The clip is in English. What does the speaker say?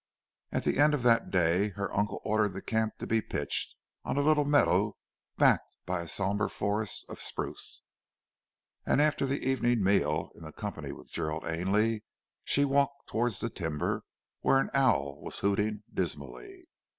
At the end of that day her uncle ordered the camp to be pitched on a little meadow backed by a sombre forest of spruce. And after the evening meal, in company with Gerald Ainley, she walked towards the timber where an owl was hooting dismally.